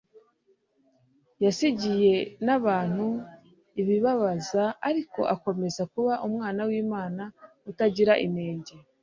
yasaggiye n'abantu ibibabaza, ariko akomeza kuba Umwana w'Imana utagira inenge.